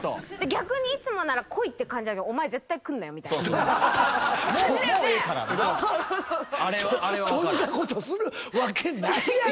逆にいつもなら「こい」って感じだけど「お前絶対くんなよ」みたいな。そんなことするわけないやないか。